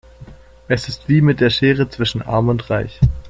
Es ist wie mit der Schere zwischen arm und reich.